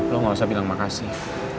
lo gak usah bilang makasih